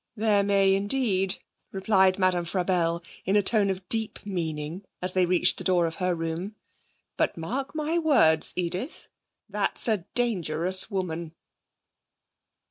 'There may, indeed,' replied Madame Frabelle in a tone of deep meaning, as they reached the door of her room. 'But, mark my words, Edith, that's a dangerous woman!'